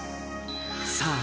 さあ